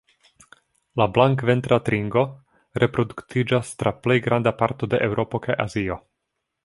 La Blankventra tringo reproduktiĝas tra plej granda parto de Eŭropo kaj Azio.